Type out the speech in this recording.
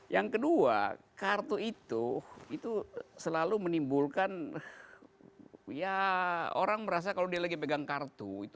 yang kedua kartu itu itu selalu menimbulkan ya orang merasa kalau dia lagi pegang kartu itu